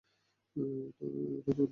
ওরা তেড়ে আসছে।